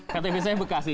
ktp saya bekasi